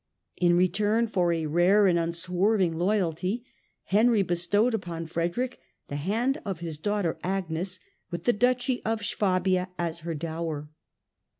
In return for a rare and unswerving loyalty, Henry bestowed upon Frederick the hand of his daughter Agnes, with the Duchy of Suabia as her dower.